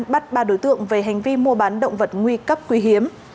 bắt ba đối tượng về hành vi mua bán động vật nguy cấp quý hiếm